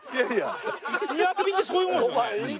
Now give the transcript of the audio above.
ニアピンってそういうもんですよね？